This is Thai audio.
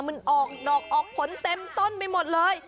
มันออกดอกออกผลเต็มต้นไปหมดเลย